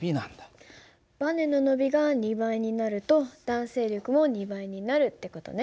ばねの伸びが２倍になると弾性力も２倍になるって事ね。